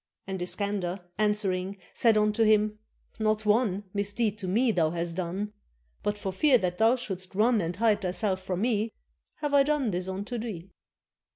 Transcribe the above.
And Iskander answering Said unto him: "Not one Misdeed to me hast thou done; But for fear that thou shouldst run And hide thyself from me, Have I done this unto thee.